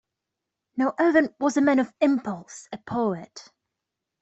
Now Irvine was a man of impulse, a poet.